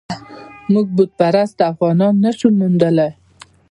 موږ بت پرست افغانان نه شو موندلای.